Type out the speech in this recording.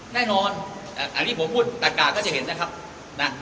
แน่นอนอันนี้ผมพูดตะกากก็จะเห็นนะครับนะ